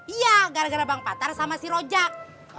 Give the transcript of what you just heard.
iya gara gara bang patar sama si rojak